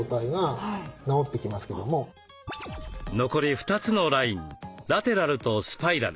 残り２つのラインラテラルとスパイラル。